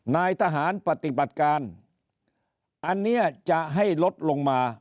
นายทหารปฏิบัติการอันนี้จะให้ลดลงมา